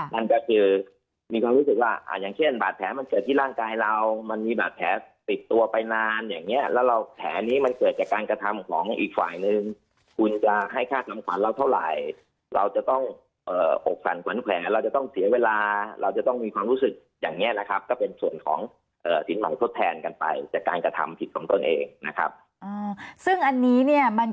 นั่นก็คือมีความรู้สึกว่าอย่างเช่นบาดแผลมันเกิดที่ร่างกายเรามันมีบาดแผลติดตัวไปนานอย่างเงี้ยแล้วเราแผลนี้มันเกิดจากการกระทำของอีกฝ่ายนึงคุณจะให้คาดน้ำขวัญเราเท่าไหร่เราจะต้องอกสั่นขวัญแขวนเราจะต้องเสียเวลาเราจะต้องมีความรู้สึกอย่างนี้นะครับก็เป็นส่วนของสินใหม่ทดแทนกันไปจากการกระทำผิดของตนเองนะครับซึ่งอันนี้เนี่ยมัน